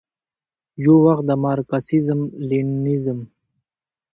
یووخت د مارکسیزم، لیننزم،